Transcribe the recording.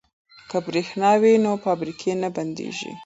که بریښنا وي نو فابریکې نه بندیږي.